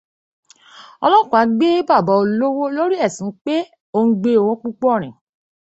Ọlọ́pàá gbé bàbá olówó lórí ẹ̀sùn pé ó ń gbé owó púpọ̀ rìn.